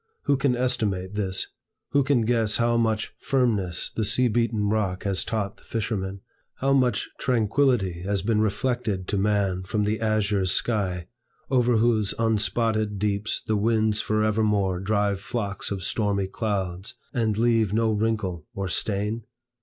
Who can estimate this? Who can guess how much firmness the sea beaten rock has taught the fisherman? how much tranquillity has been reflected to man from the azure sky, over whose unspotted deeps the winds forevermore drive flocks of stormy clouds, and leave no wrinkle or stain?